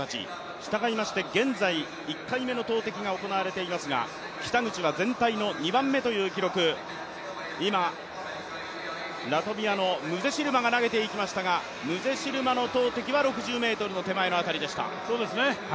したがいまして現在１回目の投てきが行われていますが、北口は全体の２番目という記録、今、ラトビアのムゼシルマが投げていきましたがムゼシルマの投てきは６０ｍの手前の辺りでした。